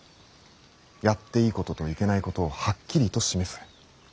やっていいことといけないことをはっきりと示す。